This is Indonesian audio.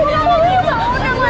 udah cepetan cepetan